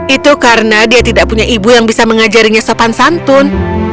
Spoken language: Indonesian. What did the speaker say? itu karena dia tidak punya ibu yang bisa mengajarinya sopan santun